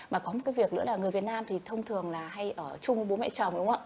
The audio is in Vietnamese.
mà có một cái việc nữa là người việt nam thì thông thường là hay ở chung bố mẹ chồng đúng không ạ